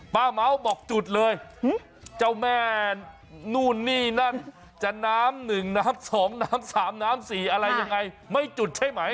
ป้าเม้าบอกจุดเลยเจ้าแม่นู่นนี่นั่นจะน้ำหนึ่งน้ำสองน้ำสามน้ำสี่อะไรยังไงไม่จุดใช่ไหม